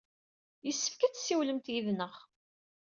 Yessefk ad tessiwlemt yid-neɣ.